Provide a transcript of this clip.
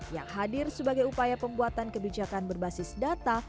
yang hadir sebagai upaya pembuatan kebijakan berbasis data